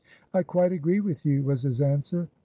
"I quite agree with you," was his answer. "Dr.